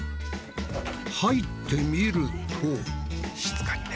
入ってみると。